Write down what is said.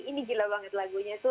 ini gila banget lagunya tuh